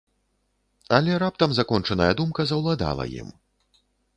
Але раптам закончаная думка заўладала ім.